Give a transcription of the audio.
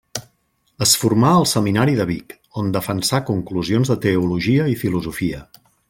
Es formà al Seminari de Vic, on defensà conclusions de teologia i filosofia.